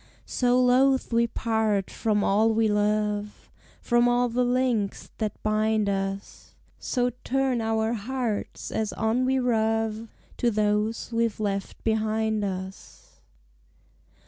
So loath we part from all we love, From all the links that bind us; So turn our hearts, as on we rove, To those we've left behind us!